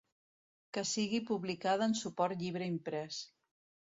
Que sigui publicada en suport llibre imprès.